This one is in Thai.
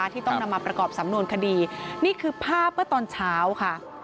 ที่ต้องนำมาประกอบสำนวนคดีนี่คือภาพเมื่อตอนเช้าค่ะ